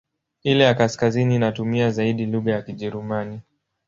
Ile ya kaskazini inatumia zaidi lugha ya Kijerumani.